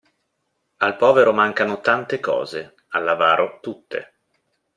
Al povero mancano tante cose, all'avaro tutte.